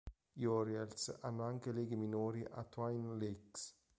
Gli Orioles hanno anche leghe minori al Twin Lakes.